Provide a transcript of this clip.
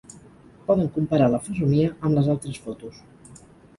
Poden comparar la fesomia amb les altres fotos.